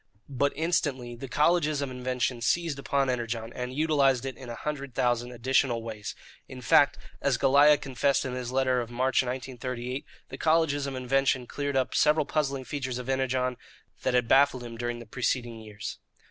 But instantly the colleges of invention seized upon Energon and utilized it in a hundred thousand additional ways. In fact, as Goliah confessed in his letter of March 1938, the colleges of invention cleared up several puzzling features of Energon that had baffled him during the preceding years.